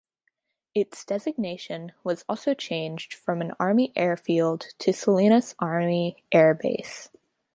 Its designation was also changed from an Army Airfield to Salinas Army Air Base.